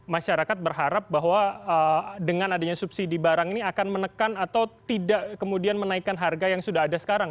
masyarakat berharap bahwa dengan adanya subsidi barang ini akan menekan atau tidak kemudian menaikkan harga yang sudah ada sekarang